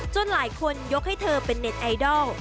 หลายคนยกให้เธอเป็นเน็ตไอดอล